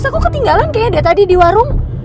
tas aku ketinggalan kayaknya deh tadi di warung